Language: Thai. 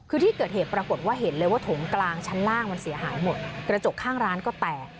คือที่เกิดเหตุปรากฏว่าเห็นเลยว่าถงกลางชั้นล่างมันเสียหายหมดกระจกข้างร้านก็แตก